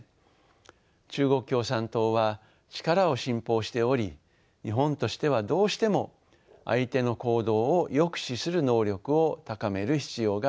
中国共産党は力を信奉しており日本としてはどうしても相手の行動を抑止する能力を高める必要があります。